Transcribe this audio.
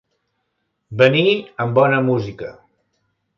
Venir amb bona música.